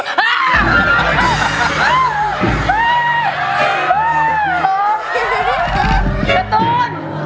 การ์ตูน